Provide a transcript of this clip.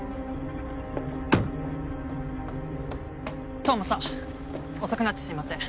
当麻さん遅くなってすいません。